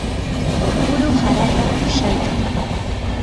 kuru harata ushaykan.